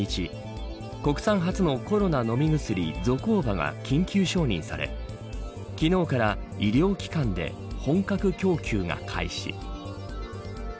国産初のコロナ飲み薬ゾコーバが緊急承認され昨日から、医療機関で本格供給が開始。